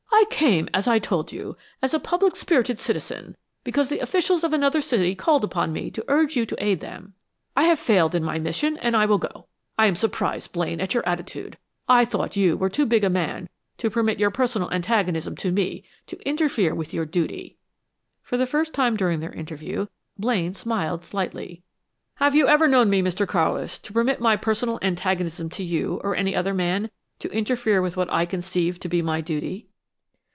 "I came, as I told you, as a public spirited citizen, because the officials of another city called upon me to urge you to aid them. I have failed in my mission, and I will go. I am surprised, Blaine, at your attitude; I thought you were too big a man to permit your personal antagonism to me to interfere with your duty " For the first time during their interview Blaine smiled slightly. "Have you ever known me, Mr. Carlis, to permit my personal antagonism to you or any other man to interfere with what I conceive to be my duty?"